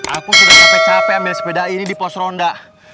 aku sudah capek capek ambil sepeda ini di pos ronda